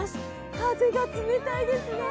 風が冷たいですね。